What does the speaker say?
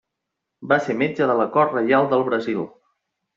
Va ser metge de la cort reial del Brasil.